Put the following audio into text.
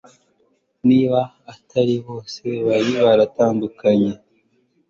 niba atari bose, bari baratandukanye